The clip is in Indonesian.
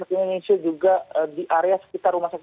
indonesia juga di area sekitar rumah sakit